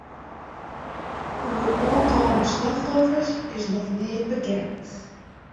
Oer oantallen slachtoffers is noch neat bekend.